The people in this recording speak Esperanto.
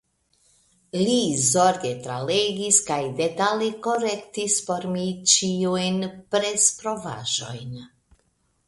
Li zorge tralegis kaj detale korektis por mi ĉiujn presprovaĵojn.